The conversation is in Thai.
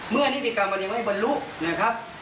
เมื่อนี้ดีกับมันยังไม่บรรลุนะครับ